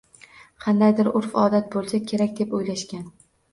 Qanaqadir urf-odat bo‘lsa kerak deb o‘ylashgan.